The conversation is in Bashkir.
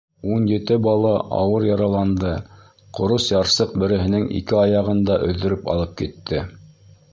Ун ете бала ауыр яраланды, ҡорос ярсыҡ береһенең ике аяғын да өҙҙөрөп алып китте.